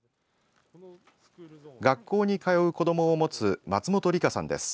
学校に通う子どもを持つ松本里香さんです。